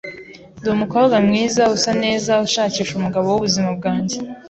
Ndi umukobwa mwiza, usa neza ushakisha umugabo wubuzima bwanjye.